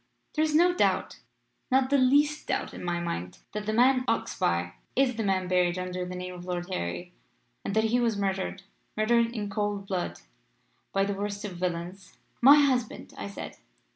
There is no doubt not the least doubt in my mind that the man Oxbye is the man buried under the name of Lord Harry, and that he was murdered murdered in cold blood by that worst of villains ' "'My husband,' I said.